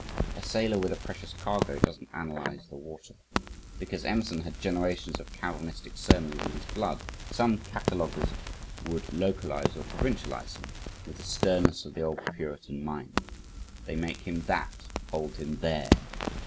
A sailor with a precious cargo doesn't analyze the water. Because Emerson had generations of Calvinistic sermons in his blood, some cataloguers, would localize or provincialize him, with the sternness of the old Puritan mind. They make him THAT, hold him THERE.